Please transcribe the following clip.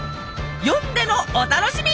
読んでのお楽しみ！